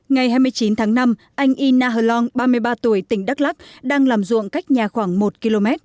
ngày hai mươi chín tháng năm anh ina hlon ba mươi ba tuổi tỉnh đắk lắk đang làm ruộng cách nhà khoảng một km